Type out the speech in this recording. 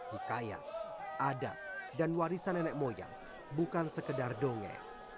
hikayat adat dan warisan nenek moyang bukan sekedar dongeng